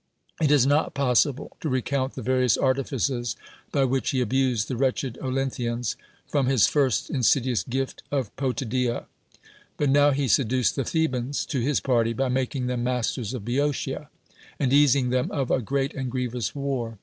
It is not possible to recount tlie various artifices by which he abused the wretched Olynthians, from his first insidious gift of Potidffia. But now he seduced the Thebans to his party, by making them masters of Bceotia, and easing them of a great and grievous war.